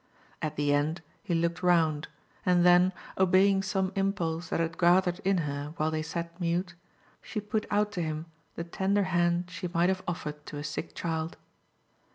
At the end he looked round, and then, obeying some impulse that had gathered in her while they sat mute, she put out to him the tender hand she might have offered to a sick child.